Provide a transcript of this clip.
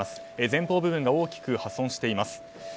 前方部分が大きく破損しています。